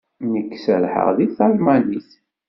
Nekk serrḥeɣ deg talmanit.